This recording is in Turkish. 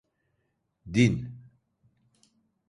Din…